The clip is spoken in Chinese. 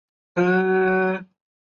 这倒是真